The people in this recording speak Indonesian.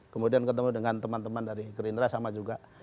kemudian ketemu dengan teman teman dari gerindra sama juga